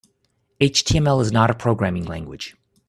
HTML is not a programming language.